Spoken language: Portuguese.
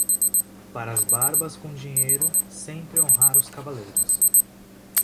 Para as barbas com dinheiro sempre honrar os cavaleiros.